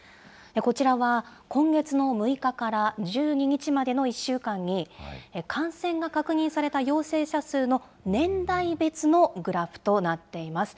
こちらは、今月の６日から１２日までの１週間に、感染が確認された陽性者数の年代別のグラフとなっています。